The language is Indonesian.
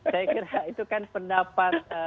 saya kira itu kan pendapat